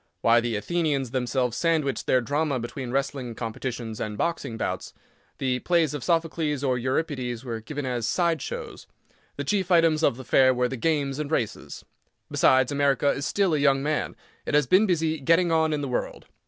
Why the Athenians themselves sandwiched their drama between wrestling competitions and boxing bouts. The plays of Sophocles, or Euripides, were given as "side shows." The chief items of the fair were the games and races. Besides, America is still a young man. It has been busy "getting on in the world."